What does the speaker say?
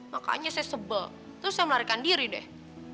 makanya saya sebel terus saya melarikan diri deh